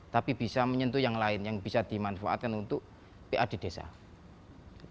tapi bisa menyentuh yang lain yang bisa dimanfaatkan untuk pa di desa